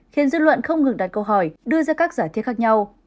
khiến dư luận không ngừng đặt câu hỏi đưa ra các giải thiết khác nhau